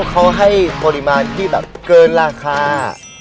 เขาให้ปริมาณที่แบบเกินราคา